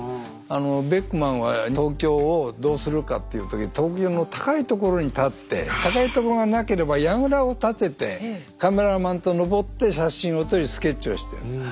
あのベックマンは東京をどうするかっていう時東京の高いところに立って高いところがなければやぐらを建ててカメラマンと登って写真を撮りスケッチをしてる。